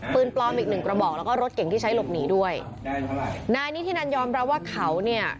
ปืนปลอมอีกหนึ่งกระบอกแล้วก็รถเก่งที่ใช้หลบหนีด้วยนายนิธินันยอมรับว่าเขาเนี่ย